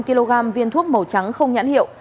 hai năm kg viên thuốc màu trắng không nhãn hiệu